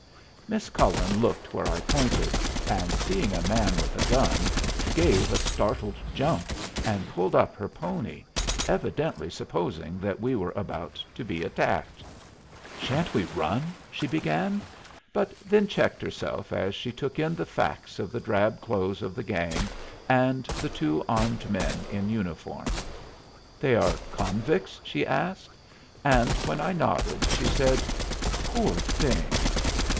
Miss Cullen looked where I pointed, and seeing a man with a gun, gave a startled jump, and pulled up her pony, evidently supposing that we were about to be attacked. "Sha'n't we run?" she began, but then checked herself, as she took in the facts of the drab clothes of the gang and the two armed men in uniform. "They are convicts?" she asked, and when I nodded, she said, "Poor things!"